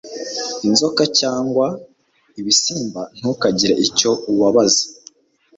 Inzoka cyangwa ibisimba ntukagire icyo ubabaza